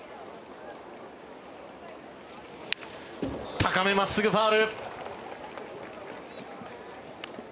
高め、真っすぐ、ファウル。